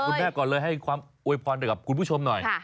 คุณแม่ก่อนเลยให้ความอวยพรไปกับคุณผู้ชมหน่อย